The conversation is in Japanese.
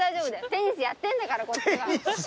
テニスやってんだからこっちは。